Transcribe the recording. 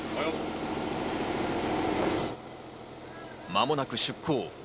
間もなく出港。